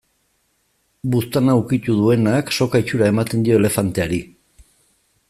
Buztana ukitu duenak, soka itxura ematen dio elefanteari.